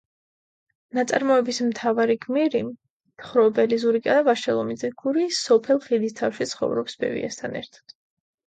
ნაწარმოების მთავარი გმირი, მთხრობელი ზურიკელა ვაშალომიძე გურიის სოფელ ხიდისთავში ცხოვრობს ბებიასთან ერთად.